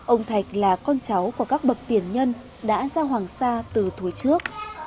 ông thạch là con cháu của các bậc tiền nhân đã ra hoàng sa từ tuổi trước